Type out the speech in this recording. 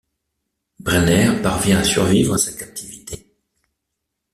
Brenner parvient à survivre à sa captivité.